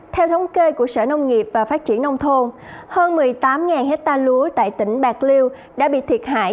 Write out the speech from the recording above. theo thống kê của sở nông nghiệp và phát triển nông thôn hơn một mươi tám hectare lúa tại tỉnh bạc liêu đã bị thiệt hại